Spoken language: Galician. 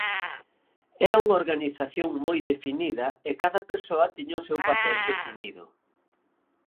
Era unha organización moi definida e cada persoa tiña o seu papel definido.